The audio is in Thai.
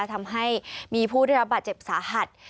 ทำให้มีผู้ได้รับบาดเจ็บสาหัส